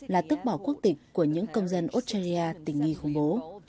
là tức bỏ quốc tịch của những công dân australia tình nghi khủng bố